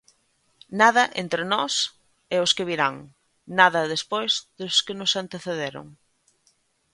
Nada entre nós e os que virán; nada despois dos que nos antecederon.